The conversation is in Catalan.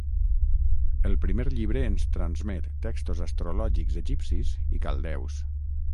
El primer llibre ens transmet textos astrològics egipcis i caldeus.